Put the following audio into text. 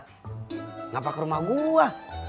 kenapa ke rumah gue